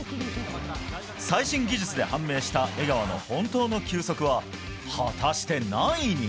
最新技術で判明した江川の本当の球速は果たして何位に？